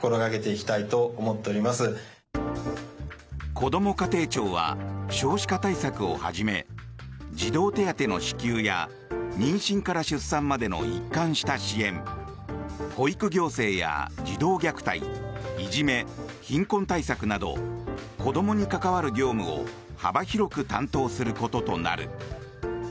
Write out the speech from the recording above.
こども家庭庁は少子化対策をはじめ児童手当の支給や妊娠から出産までの一貫した支援保育行政や児童虐待いじめ、貧困対策など子どもに関わる業務を幅広く担当することとなる。